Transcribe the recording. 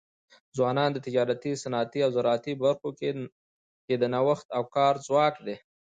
ځوانان د تجارتي، صنعتي او زراعتي برخو کي د نوښت او کار ځواک دی.